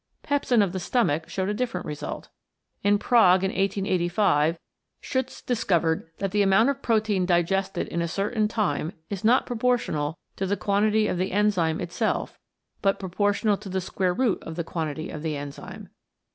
Pepsin of the stomach showed a different result. In Prague, in 1885, Schutz discovered that the amount of protein digested in a certain time is not proportional to the quantity of the enzyme itself, but proportional to the square root of the quantity of the enzyme.